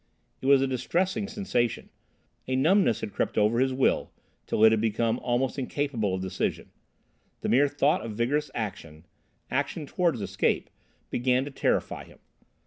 It was a distressing sensation. A numbness had crept over his will till it had become almost incapable of decision. The mere thought of vigorous action—action towards escape—began to terrify him.